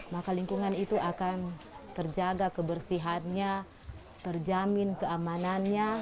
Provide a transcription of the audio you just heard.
maka lingkungan itu akan terjaga kebersihannya terjamin keamanannya